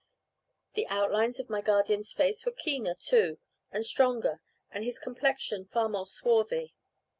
The outlines of my guardian's face were keener too and stronger, and his complexion far more swarthy.